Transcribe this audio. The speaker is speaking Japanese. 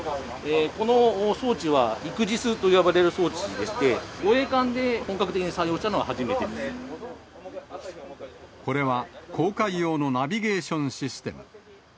この装置はエクディスと呼ばれている装置でして、護衛艦で本格的これは航海用のナビゲーションシステム。